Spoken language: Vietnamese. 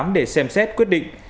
để xem xét quyết định